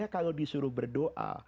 kalau disuruh berdoa